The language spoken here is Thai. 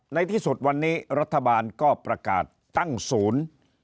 ในที่สุดวันนี้รัฐบาลก็ประกาศตั้งศูนย์